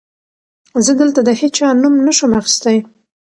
زه دلته د هېچا نوم نه شم اخيستی.